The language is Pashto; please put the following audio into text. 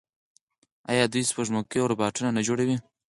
آیا دوی سپوږمکۍ او روباټونه نه جوړوي؟